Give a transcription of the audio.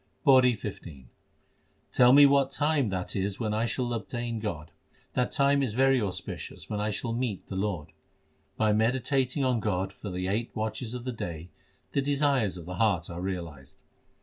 PAURI XV Tell me what time that is when I shall obtain God : That time is very auspicious when I shall meet the Lord. By meditating on God for the eight watches of the day, the desires of the heart are realised.